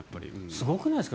すごくないですか？